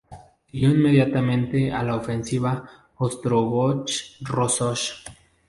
Siguió inmediatamente a la Ofensiva Ostrogozhsk–Rossosh.